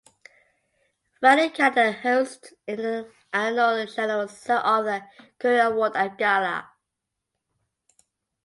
Valour Canada hosts an annual General Sir Arthur Currie Award and Gala.